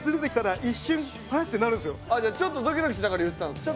じゃあちょっとドキドキしながら言ってたんですか？